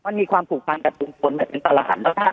นี่ความผูกภัณฑ์กับรุ้นเป็นตลาด